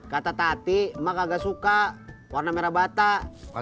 kata tati emang kagak suka warna merah bata